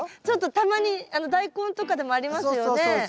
ちょっとたまにダイコンとかでもありますよね。